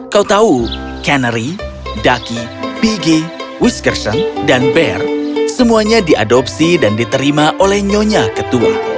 kau tahu canary ducky piggy wiskerson dan ber semuanya diadopsi dan diterima oleh nyonya ketua